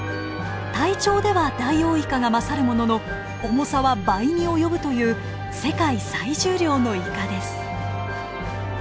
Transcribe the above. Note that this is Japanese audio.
体長ではダイオウイカが勝るものの重さは倍に及ぶという世界最重量のイカです。